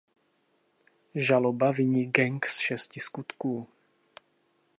Žaloba viní gang z šesti skutků.